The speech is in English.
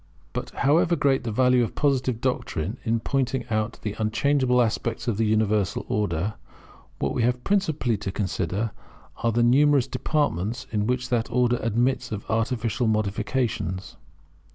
But, however great the value of Positive doctrine in pointing out the unchangeable aspects of the universal Order, what we have principally to consider are the numerous departments in which that order admits of artificial modifications.